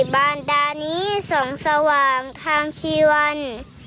บานดานี้ส่องสว่างทางชีวัน